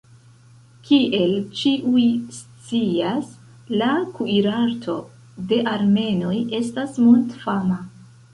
Kiel ĉiuj scias, la kuirarto de armenoj estas mondfama.